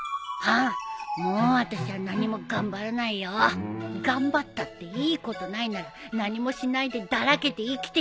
もうあたしゃ何も頑張らないよ。頑張ったっていいことないなら何もしないでだらけて生きていくんだ。